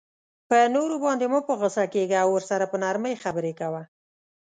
په نورو باندی مه په غصه کیږه او ورسره په نرمۍ خبری کوه